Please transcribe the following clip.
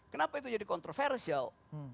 kenapa itu jadi kontroversial